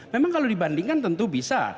memang kalau dibandingkan tentu bisa